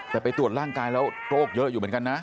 แต่ไปตรวจร่างกายแล้วโรคเยอะอยู่เหมือนกันนะ